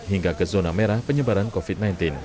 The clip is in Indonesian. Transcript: hingga ke zona merah penyebaran covid sembilan belas